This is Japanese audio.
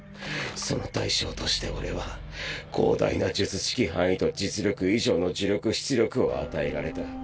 その代償として俺は広大な術式範囲と実力以上の呪力出力を与えられた。